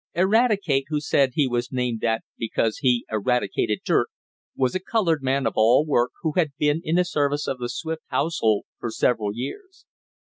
Eradicate, who said he was named that because he "eradicated" dirt, was a colored man of all work, who had been in the service of the Swift household for several years.